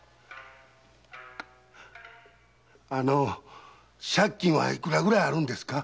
あの借金はいくらぐらいあるんですか？